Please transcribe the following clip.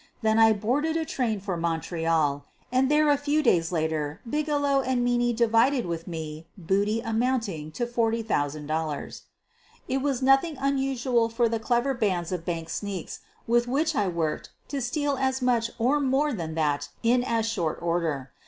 Then I boarded a train for Montreal and there a few days later Bigelow and Meaney divided with me booty amounting to $40,000. It was nothing unusual for the clever bands of "bank sneaks" with which I "worked" to steal as much or more than that in as short order.